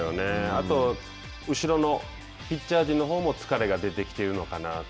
あと、後ろのピッチャー陣のほうも疲れが出てきているのかなと。